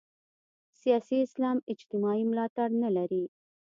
سیاسي اسلام اجتماعي ملاتړ نه لري.